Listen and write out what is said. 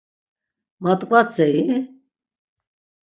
Mat̆ǩvatsei?